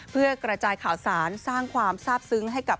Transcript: เพื่อกระจายข่าวสารสร้างความทราบซึ้งให้กับ